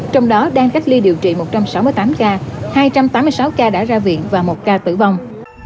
trong đó đang cách ly điều trị một trăm sáu mươi tám ca hai trăm tám mươi sáu ca đã ra viện và một ca tử vong